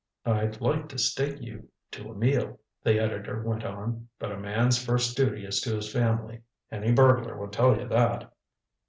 "I'd like to stake you to a meal," the editor went on. "But a man's first duty is to his family. Any burglar will tell you that."